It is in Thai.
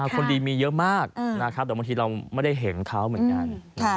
คนดีมีเยอะมากนะครับแต่บางทีเราไม่ได้เห็นเขาเหมือนกัน